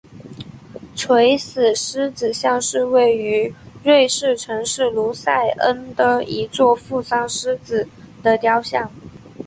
垂死狮子像是位于瑞士城市卢塞恩的一座负伤狮子的雕像。